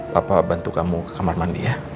papa bantu kamu ke kamar mandi ya